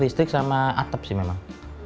listrik sama atap sih memang